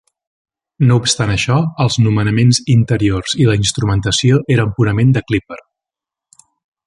No obstant això, els nomenaments interiors i la instrumentació eren purament de Clipper.